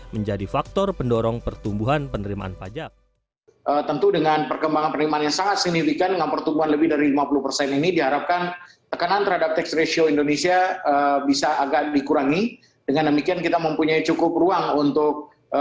menjadi faktor pendorong pertumbuhan penerimaan pajak